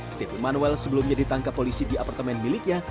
steve emanuel sebelumnya ditangkap polisi di apartemen miliknya